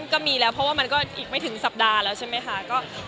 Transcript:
ก็มีแล้วเพราะว่ามันก็อีกไม่ถึงสัปดาห์แล้วใช่ไหมคะ